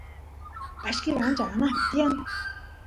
pashkil ancha anaqpi tiyan